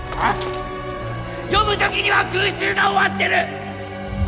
読む時には空襲が終わってる！